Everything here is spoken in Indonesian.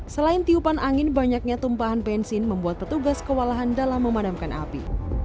selain tiupan angin banyaknya tumpahan bensin membuat petugas kewalahan dalam memadamkan api